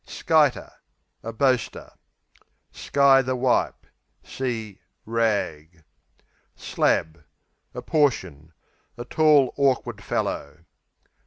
Skiter A boaster. Sky the wipe See "rag." Slab A portion; a tall, awkward fellow.